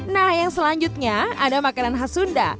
nah yang selanjutnya ada makanan khas sunda